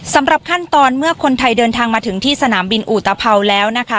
สำหรับขั้นตอนเมื่อคนไทยเดินทางมาถึงที่สนามบินอุตภัวแล้วนะคะ